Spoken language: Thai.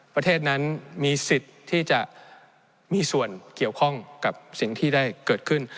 ประเทศนั้นมีสิทธิ์ที่จะมีส่วนเกี่ยวข้องกับสิ่งที่ได้เกิดขึ้น